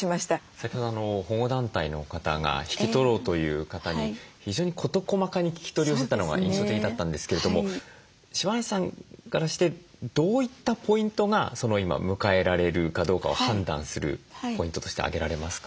先ほど保護団体の方が引き取ろうという方に非常に事細かに聞き取りをしてたのが印象的だったんですけれども柴内さんからしてどういったポイントが今迎えられるかどうかを判断するポイントとして挙げられますか？